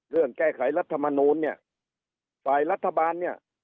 เรื่องแก้ไขรัฐมนต์เนี้ยฝ่ายรัฐบาลเนี้ย